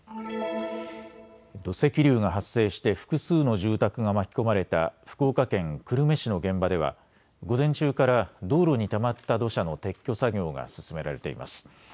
土石流が発生して複数の住宅が巻き込まれた福岡県久留米市の現場では午前中から道路にたまった土砂の撤去作業が進められています。